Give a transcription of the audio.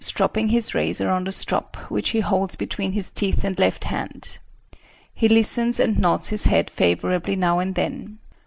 stropping his razor on the strop which he holds between his teeth and left hand. He listens and nods his head favorably now and then.